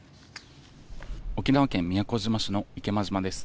沖縄県宮古島市の池間島です。